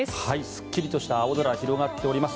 すっきりとした青空が広がっています。